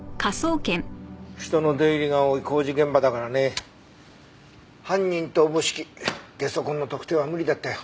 人の出入りが多い工事現場だからね犯人と思しきゲソ痕の特定は無理だったよ。